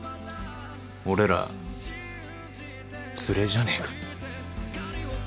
俺らツレじゃねえか。